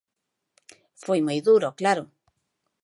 Foi moi duro, claro.